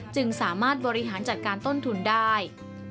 จึงสามารถบริหารจัดการต้นทุนได้